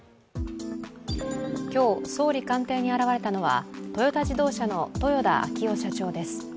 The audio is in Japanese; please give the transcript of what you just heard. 今日、総理官邸に現れたのはトヨタ自動車の豊田章男社長です。